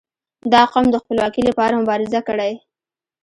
• دا قوم د خپلواکي لپاره مبارزه کړې.